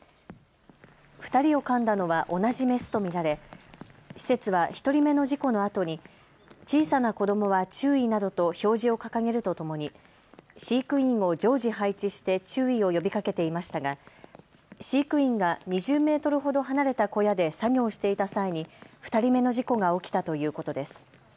２人をかんだのは同じメスと見られ施設は１人目の事故のあとに小さな子どもは注意などと表示を掲げるとともに飼育員を常時配置して注意を呼びかけていましたが飼育員が２０メートルほど離れた小屋で作業していた際に２人目の事故が起きたということです。